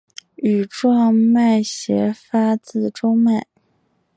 羽状脉斜发自中脉。